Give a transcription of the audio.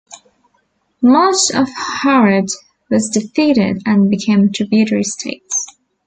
Much of Harad was defeated and became tributary states.